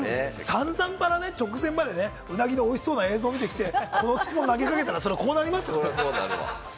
散々ぱら、直前まで鰻のおいしい映像を見たら、その後、この質問を投げかけたら、こうなりますよ。